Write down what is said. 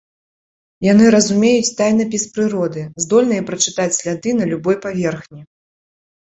Яны разумеюць тайнапіс прыроды, здольныя прачытаць сляды на любой паверхні.